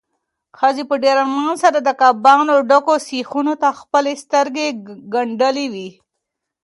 ښځې په ډېر ارمان سره د کبابو ډکو سیخانو ته خپلې سترګې ګنډلې وې.